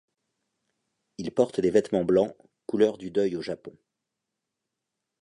Ils portent des vêtements blancs, couleur du deuil au Japon.